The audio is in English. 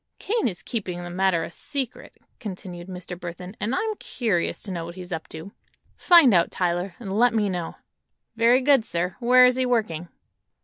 "Kane is keeping the matter a secret," continued Mr. Burthon, "and I'm curious to know what he's up to. Find out, Tyler, and let me know." "Very good, sir. Where is he working?"